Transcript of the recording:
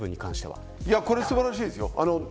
これは素晴らしいですよ。